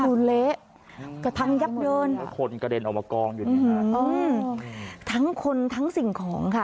หูเละพังยับเดินคนกระเด็นอวกองอยู่นี่ค่ะอืมทั้งคนทั้งสิ่งของค่ะ